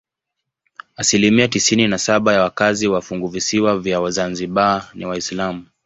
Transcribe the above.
Asilimia tisini na saba ya wakazi wa funguvisiwa vya Zanzibar ni Waislamu.